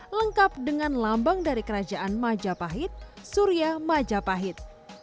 lengkap dengan lambang dari kerajaan majapahit surya majapahit